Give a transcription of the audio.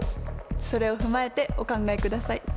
それを踏まえてお考えください。